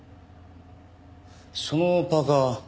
そのパーカ。